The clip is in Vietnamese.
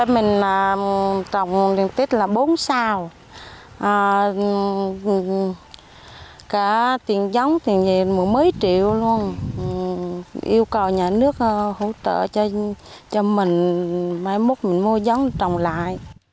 mình trồng liên tích là bốn sao cả tiền giống tiền gì mỗi mấy triệu luôn yêu cầu nhà nước hỗ trợ cho mình mai mốt mình mua giống trồng lại